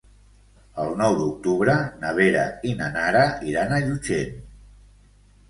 El nou d'octubre na Vera i na Nara iran a Llutxent.